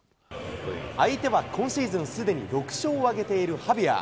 相手は今シーズンすでに６勝を挙げているハビアー。